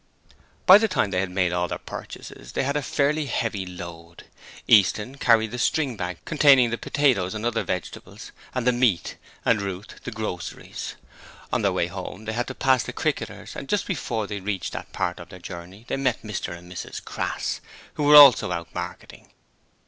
By the time they had made all their purchases they had a fairly heavy load. Easton carried the string bag containing the potatoes and other vegetables, and the meat, and Ruth, the groceries. On their way home, they had to pass the 'Cricketers' and just before they reached that part of their journey they met Mr and Mrs Crass, who were also out marketing.